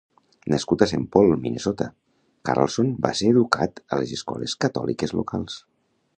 Nascut a Saint Paul, Minnesota, Carlson va ser educat a escoles catòliques locals.